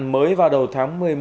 mới vào đầu tháng một mươi một